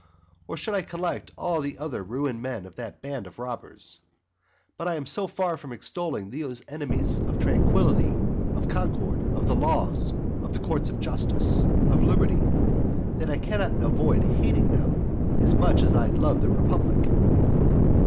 or should I collect all the other ruined men of that band of robbers? But I am so far from extolling those enemies of tranquility, of concord, of the laws, of the courts of justice, and of liberty, that I cannot avoid hating them as much as I love the republic.